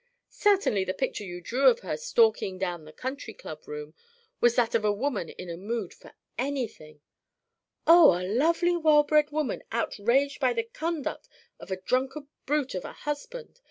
Certainly the picture you drew of her stalking down the Country Club room was that of a woman in a mood for anything " "Of a lovely well bred woman outraged by the conduct of a drunken brute of a husband.